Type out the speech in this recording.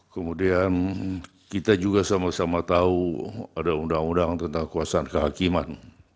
kemudian kita juga sama sama tahu ada undang undang tentang kekuasaan kehakiman